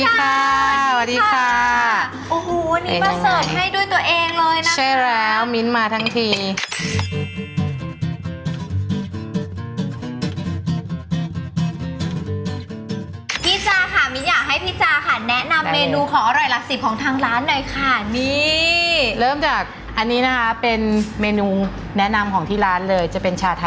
ขอเมนูอร่อยหลักสิบของทางร้านได้ค่ะ